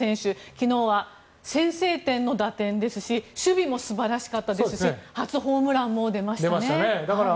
昨日は先制点の打点ですし守備も素晴らしかったですし初ホームランも出ましたね。